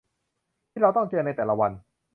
ที่เราต้องเจอในแต่ละวัน